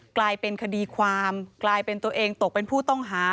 กลายเป็นคดีความกลายเป็นตัวเองตกเป็นผู้ต้องหา